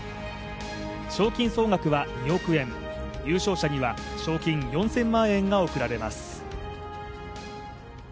賞金総額は２億円、優勝者には賞金４０００万円が贈られます。